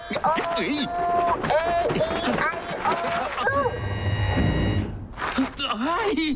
ห้าห้าห้าห้า